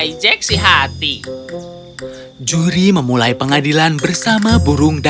anak kecil tidak boleh men dopp contrasting dirimu dengan burung